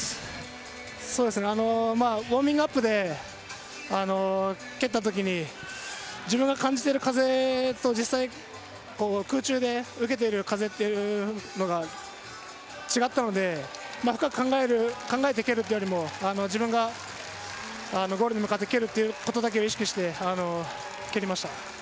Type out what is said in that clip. ウオーミングアップで蹴った時に感じている風と空中で受けている風は違ったので、深く考えて蹴るというよりも、ゴールに向かって蹴るということだけを意識して蹴りました。